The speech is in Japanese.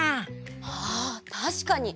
あたしかに！